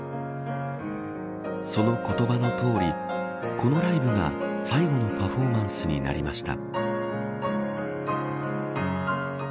その言葉のとおりこのライブが最後のパフォーマンスになりました。